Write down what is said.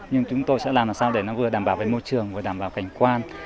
nhưng chúng tôi sẽ làm làm sao để nó vừa đảm bảo về môi trường vừa đảm bảo cảnh quan